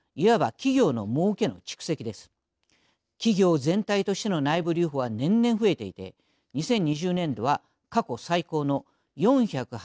企業全体としての内部留保は年々増えていて２０２０年度は過去最高の４８４兆円に達しました。